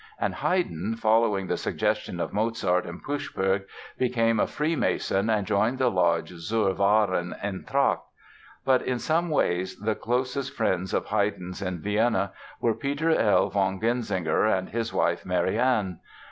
And Haydn, following the suggestion of Mozart and Puchberg, became a Freemason and joined the lodge Zur wahren Eintracht. But in some ways the closest friends of Haydn's in Vienna were Peter L. von Genzinger and his wife, Marianne.